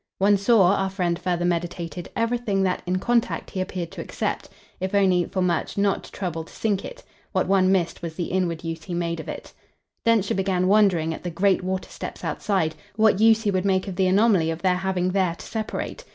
One saw, our friend further meditated, everything that, in contact, he appeared to accept if only, for much, not to trouble to sink it: what one missed was the inward use he made of it. Densher began wondering, at the great water steps outside, what use he would make of the anomaly of their having there to separate.